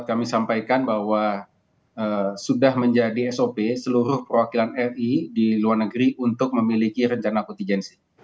kami sampaikan bahwa sudah menjadi sop seluruh perwakilan ri di luar negeri untuk memiliki rencana kontingensi